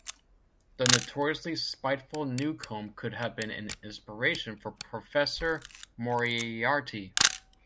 The notoriously spiteful Newcomb could have been an inspiration for Professor Moriarty.